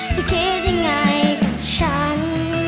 จะคิดยังไงกับฉัน